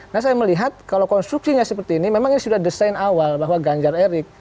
nah saya melihat kalau konstruksinya seperti ini memang ini sudah desain awal bahwa ganjar erik